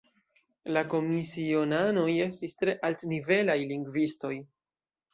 La komisionanoj estis tre altnivelaj lingvistoj.